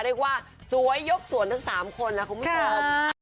เรียกว่าสวยยกส่วนทั้ง๓คนละคุณพี่แจ๊ว